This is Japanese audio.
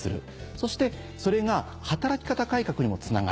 そしてそれが働き方改革にもつながる。